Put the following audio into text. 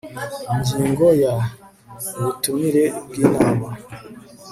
Ingingo ya Ubutumire bw inama